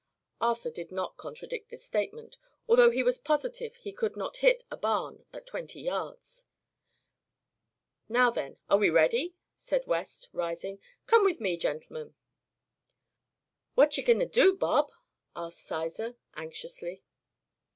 Arthur did not contradict this statement, although he was positive he could not hit a barn at twenty yards. "Now, then, are we ready?" staid West, rising. "Come with me, gentlemen." "What ye goin' to do, Bob?" asked Sizer, anxiously.